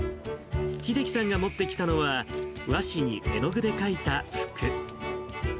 秀樹さんが持ってきたのは、和紙に絵の具で書いた福。